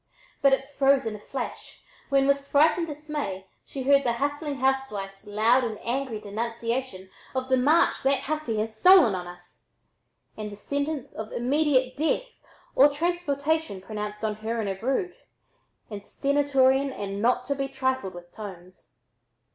But it froze in a flash when with frightened dismay she heard the hustling housewife's loud and angry denunciation of "the march that hussy had stolen on us," and the sentence of "immediate death" or "transportation" pronounced on "her and her brood," in stentorian and not to be trifled with tones.